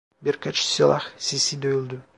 Birkaç silah sesi duyuldu.